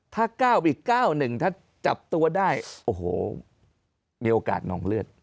ถ้าก้าวไปอีก๙หนึ่งถ้าจับตัวได้โอ้โหมีโอกาสนองเลือด